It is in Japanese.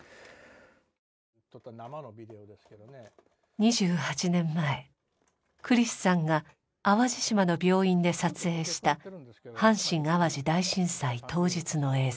２８年前栗栖さんが淡路島の病院で撮影した阪神淡路大震災当日の映像。